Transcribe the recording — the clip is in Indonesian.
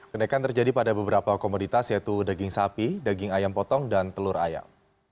kenaikan terjadi pada beberapa komoditas yaitu daging sapi daging ayam potong dan telur ayam